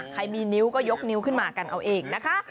มีนิ้วก็ยกนิ้วขึ้นมากันเอาเองนะคะ